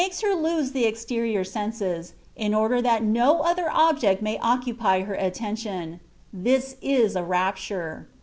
He makes her lose the exterior senses, in order that no other object may occupy her attention : (this is a rapture)